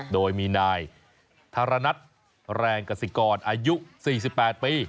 โดยมีนายธรณัทแรงกสิกรอายุ๔๘ปี